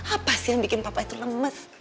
apa sih yang bikin papa itu lemes